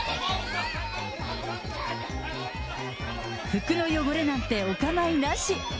服の汚れなんておかまいなし！